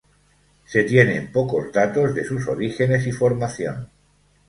Se tienen pocos datos de sus orígenes y formación.